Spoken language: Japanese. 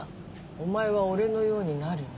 「お前は俺のようになるな」